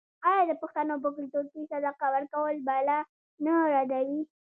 آیا د پښتنو په کلتور کې صدقه ورکول بلا نه ردوي؟